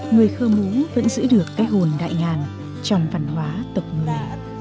người khơ mú vẫn giữ được cái hồn đại ngàn trong văn hóa tộc lạ